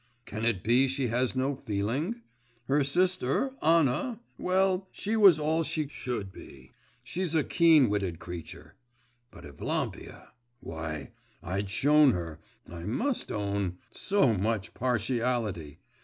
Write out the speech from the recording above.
Can it be she has no feeling? Her sister, Anna well, she was all she should be. She's a keen witted creature! But Evlampia why, I'd shown her I must own so much partiality!